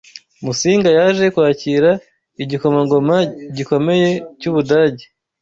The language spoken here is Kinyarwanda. Musinga yaje kwakira igikomangoma gikomeye cy’ u Budage